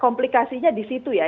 komplikasinya di situ ya